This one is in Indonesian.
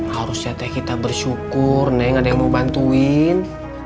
harusnya teh kita bersyukur neng ada yang mau bantuin